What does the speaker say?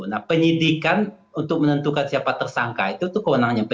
nah penyidikan untuk menentukan siapa tersangka itu tuh kewenangannya p tiga